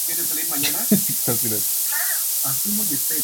Stinger ataca a Hikaru y Haruka con una picadura venenosa.